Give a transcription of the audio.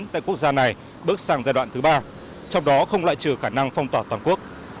tại quốc gia này bước sang giai đoạn thứ ba trong đó không lại trừ khả năng phong tỏa toàn quốc